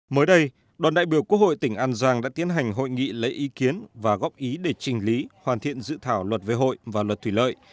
mới đây đoàn đại biểu quốc hội tỉnh an giang đã tiến hành hội nghị lấy ý kiến và góp ý để trình lý hoàn thiện dự thảo luật về hội và luật thủy lợi